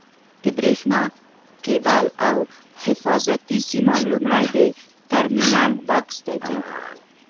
د برېښنا کېبل او حفاظتي سیمان لومړی د ټرمینل بکس ته ځي.